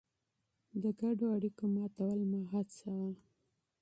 د ګډو اړیکو ماتول مه هڅوه.